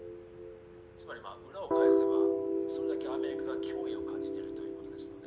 つまりまあ裏を返せばそれだけアメリカが驚異を感じてるということですので。